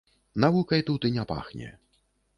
Навукай тут і не пахне.